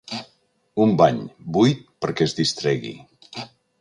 Un bany buit perquè es distregui.